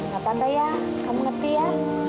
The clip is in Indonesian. gak pandai ya kamu ngerti ya